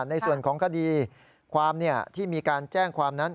ในส่วนของคดีความที่มีการแจ้งความนั้น